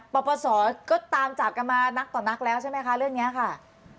ปปศก็ตามจับกันมานักต่อนักแล้วใช่ไหมคะเรื่องนี้ค่ะ